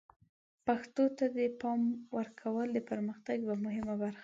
پښتو ته د پام ورکول د پرمختګ یوه مهمه برخه ده.